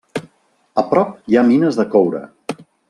A prop hi ha mines de coure.